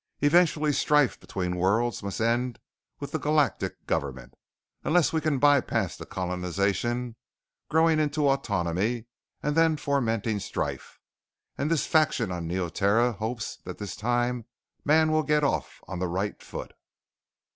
Eventually strife between worlds must end with the galactic government unless we can bypass the colonization, growing into autonomy, and then formenting strife and this faction on Neoterra hopes that this time mankind will get off on the right foot.